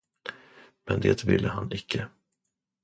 Men det ville han icke.